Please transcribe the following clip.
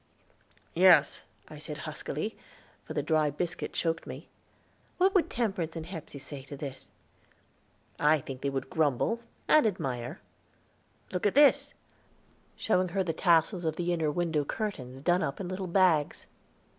"Yes," I said huskily, for the dry biscuit choked me. "What would Temperance and Hepsey say to this?" "I think they would grumble, and admire. Look at this," showing her the tassels of the inner window curtains done up in little bags.